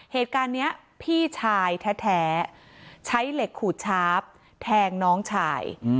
เหตุการณ์นี้พี่ชายแท้ใช้เหล็กขูดชาร์ฟแทงน้องชาย